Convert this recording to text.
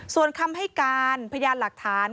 ส่วนคำให้การพยานหลักฐาน